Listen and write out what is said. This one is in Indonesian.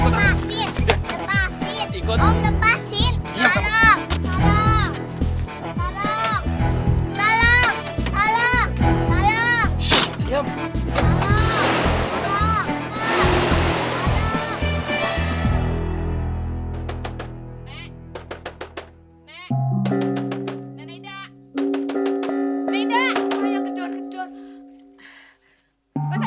tolong lepaskan om lepaskan